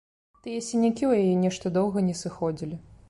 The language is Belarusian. Тыя сінякі ў яе нешта доўга не сыходзілі.